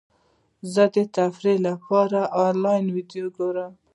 زه د تفریح لپاره انلاین ویډیو ګورم.